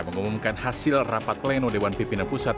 mengumumkan hasil rapat pleno dewan pimpinan pusat